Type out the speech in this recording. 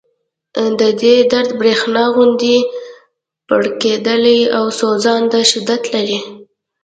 د دې درد د برېښنا غوندې پړقېدلی او سوځنده شدت لري